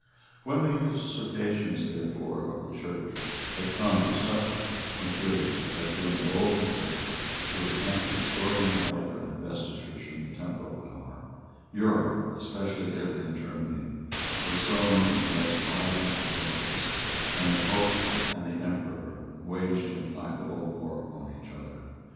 When the usurpations, therefore, of the church had come to such maturity as to embolden her to attempt extorting the right of investitures from the temporal power, Europe, especially Italy and Germany, was thrown into the most violent convulsions, and the pope and the emperor waged implacable war on each other.